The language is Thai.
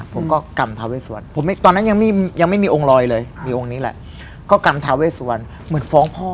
ผมก็กำทาเวสวรรค์ตอนนั้นยังไม่มีองค์ลอยเลยมีองค์นี้แหละก็กำทาเวสวรรค์เหมือนฟองพ่อฟิลลิ่งอะ